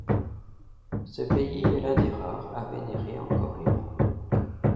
Ce pays est l'un des rares à vénérer encore les Lares.